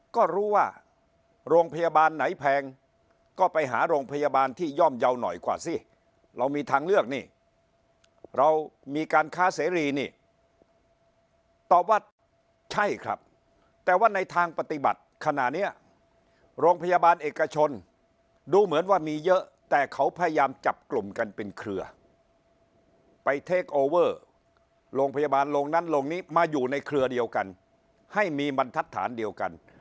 ก็รู้ว่าโรงพยาบาลไหนแพงก็ไปหาโรงพยาบาลที่ย่อมเยาว์หน่อยกว่าสิเรามีทางเลือกนี่เรามีการค้าเสรีนี่ตอบว่าใช่ครับแต่ว่าในทางปฏิบัติขณะนี้โรงพยาบาลเอกชนดูเหมือนว่ามีเยอะแต่เขาพยายามจับกลุ่มกันเป็นเครือไปเทคโอเวอร์โรงพยาบาลโรงนั้นโรงนี้มาอยู่ในเครือเดียวกันให้มีบรรทัศน์เดียวกัน